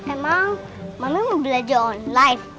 emang mama mau belanja online